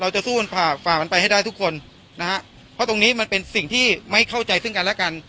จะสู้กันฝ่าฝ่ามันไปให้ได้ทุกคนนะฮะเพราะตรงนี้มันเป็นสิ่งที่ไม่เข้าใจซึ่งกันและกัน